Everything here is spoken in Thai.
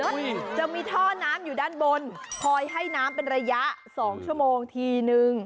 จะมีท่อน้ำอยู่ด้านบนคอยให้น้ำเป็นระยะสองชั่วโมงทีนึง